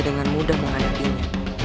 dan mudah menghadapinya